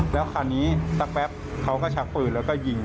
แล้วคราวนี้สักแป๊บเขาก็ชักปืนแล้วก็ยิง